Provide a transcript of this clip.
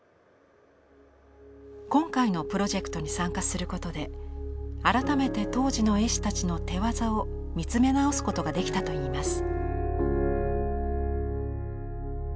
今回のプロジェクトに参加することで改めて当時の絵師たちの手業を見つめ直すことができたといいます。